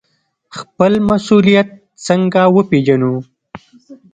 خپل مسوولیت څنګه وپیژنو؟